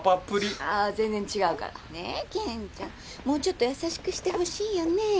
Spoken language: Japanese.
もうちょっと優しくしてほしいよね？